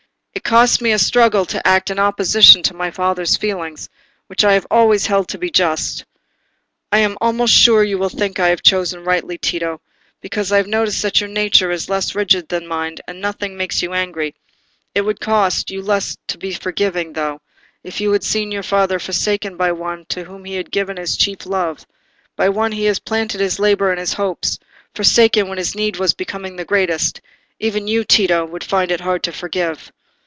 It cost me a struggle to act in opposition to my father's feeling, which I have always held to be just. I am almost sure you will think I have chosen rightly, Tito, because I have noticed that your nature is less rigid than mine, and nothing makes you angry: it would cost you less to be forgiving; though, if you had seen your father forsaken by one to whom he had given his chief love—by one in whom he had planted his labour and his hopes—forsaken when his need was becoming greatest—even you, Tito, would find it hard to forgive."